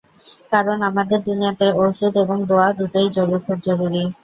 কারন আমাদের দুনিয়াতে ঔষধ এবং দোয়া দুটাই খুব জরুরি।